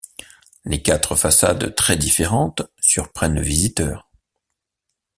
Les quatre façades très différentes surprennent le visiteur.